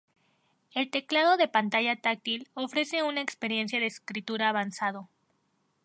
El teclado de pantalla táctil ofrece una experiencia de escritura avanzado.